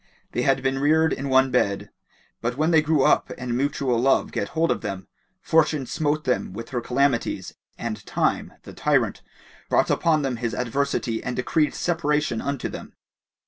They had been reared in one bed; but when they grew up and mutual love get hold of them, Fortune smote them with her calamities and Time, the tyrant, brought upon them his adversity and decreed separation unto them.